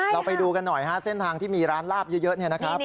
ไปดูกันหน่อยฮะเส้นทางที่มีร้านลาบเยอะเนี่ยนะครับ